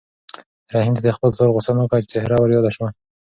رحیم ته د خپل پلار غوسه ناکه څېره وریاده شوه.